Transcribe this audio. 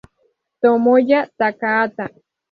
Tomoya Takahata